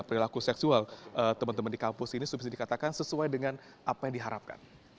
perilaku seksual teman teman di kampus ini bisa dikatakan sesuai dengan apa yang diharapkan